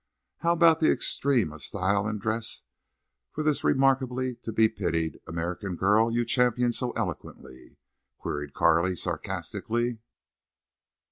"How about the extreme of style in dress for this remarkably to be pitied American girl you champion so eloquently?" queried Carley, sarcastically.